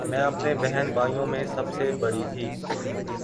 میں اپنے بہن بھائیوں میں سب سے بڑی تھی